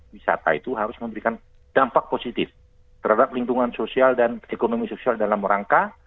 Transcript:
wisata itu harus memberikan dampak positif terhadap lingkungan sosial dan ekonomi sosial dalam rangka